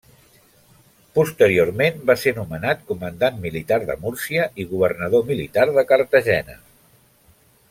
Posteriorment va ser nomenat comandant militar de Múrcia i Governador militar de Cartagena.